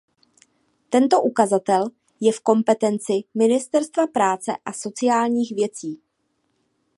Tento ukazatel je v kompetenci Ministerstva práce a sociálních věcí.